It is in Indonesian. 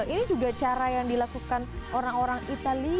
ini juga cara yang dilakukan orang orang italia